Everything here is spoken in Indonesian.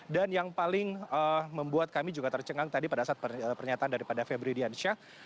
yang paling membuat kami juga tercengang tadi pada saat pernyataan daripada febri diansyah